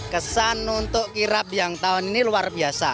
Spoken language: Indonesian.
kesan untuk kirap yang tahun ini luar biasa